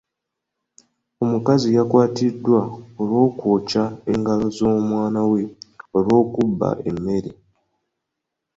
Omukazi yakwatiddwa olw'okwokya engalo z'omwana we olw'okubba emmere.